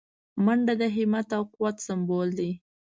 منډه د همت او قوت سمبول دی